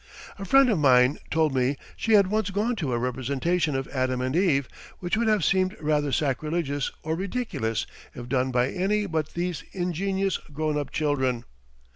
A friend of mine told me she had once gone to a representation of "Adam and Eve" which would have seemed either sacrilegious or ridiculous if done by any but these ingenuous, grown up children.